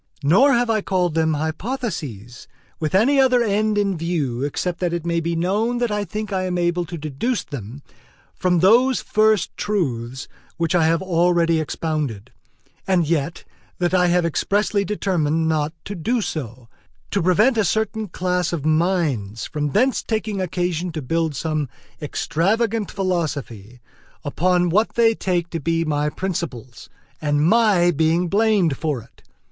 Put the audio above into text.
Nor have I called them hypotheses with any other end in view except that it may be known that I think I am able to deduce them from those first truths which I have already expounded; and yet that I have expressly determined not to do so, to prevent a certain class of minds from thence taking occasion to build some extravagant philosophy upon what they may take to be my principles, and my being blamed for it.